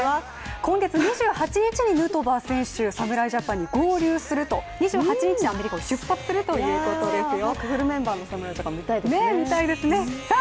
今月２８日にヌートバー選手、侍ジャパンに合流すると２８日にアメリカを出発するということですよ。